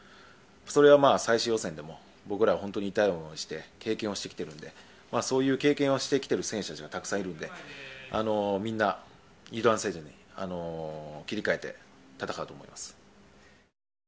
それは最終予選でも僕らは痛い思いをして経験をしてきているのでそういう経験をしている選手たちがたくさんいるのでみんな、油断せずに切り替えて戦うと思います。